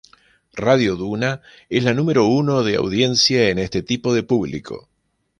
Radio Duna es la número uno de audiencia en este tipo de público.